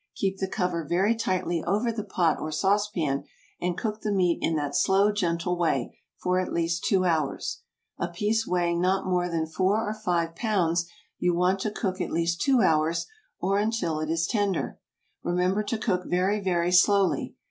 Keep the cover very tightly over the pot or sauce pan, and cook the meat in that slow, gentle way, for at least two hours. A piece weighing not more than four or five pounds you want to cook at least two hours, or until it is tender. Remember to cook very, very slowly.